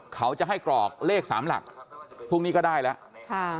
เขาจะให้กรอกเลข๓หลักพรุ่งนี้ก็ได้แล้ว